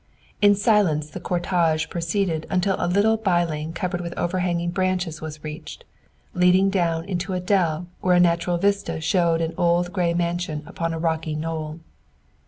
In silence the cortege proceeded until a little by lane covered with overhanging branches was reached, leading down into a dell where a natural vista showed an old gray mansion upon a rocky knoll.